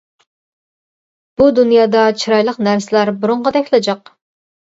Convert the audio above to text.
بۇ دۇنيادا چىرايلىق نەرسىلەر بۇرۇنقىدەكلا جىق.